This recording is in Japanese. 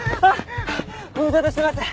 ご無沙汰してます！